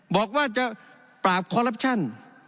บอกว่าจะปราบคอลลับชั่น